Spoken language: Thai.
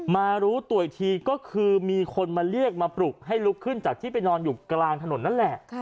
มารู้ตัวอีกทีก็คือมีคนมาเรียกมาปลุกให้ลุกขึ้นจากที่ไปนอนอยู่กลางถนนนั่นแหละ